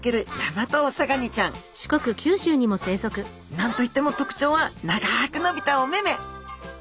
何と言っても特徴は長く伸びたお目目。